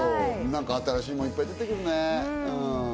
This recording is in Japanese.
新しいものいっぱい出てくるね。